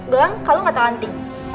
bilang kalau gak tau anting